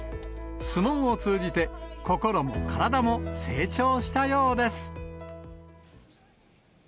相撲を通じて、心も体も成長したようです。